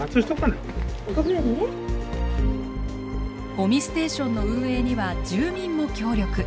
ごみステーションの運営には住民も協力。